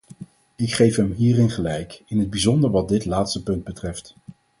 Ik geef hem hierin gelijk; in het bijzonder wat dit laatste punt betreft.